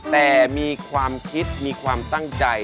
แต่มีความคิดมีความตั้งใจ